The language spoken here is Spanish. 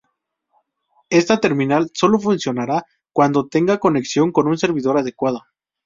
Esta terminal sólo funcionará cuando tenga conexión con un servidor adecuado.